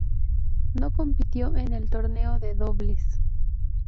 No compitió en el torneo de dobles.